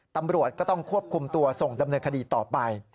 ตำรวจก็ต้องควบคุมตัวส่งดำเนินคดีต่อไป